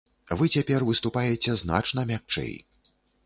Вы цяпер выступаеце значна мякчэй.